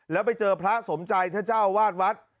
แล้วไปเจอพระสมใจท่านเจ้าวาดวัด